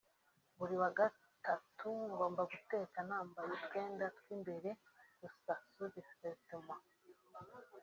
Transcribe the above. Buri wa gatatu ngomba guteka namabaye utwenda tw’imbere gusa (sous-vêtements)